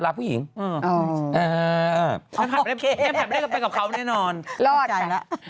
แล้วเรื่องจริงไง